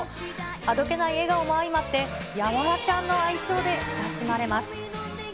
あどけない笑顔も相まって、ヤワラちゃんの愛称で親しまれます。